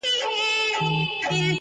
ښه انگور چغال خوري.